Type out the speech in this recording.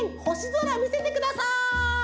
ぞらみせてください！